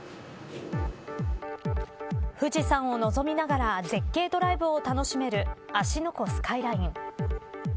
富士山をのぞみながら絶景ドライブを楽しめる芦ノ湖スカイライン。